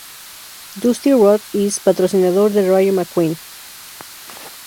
Dusty Rust-Eze:Patrocinador de Rayo McQueen.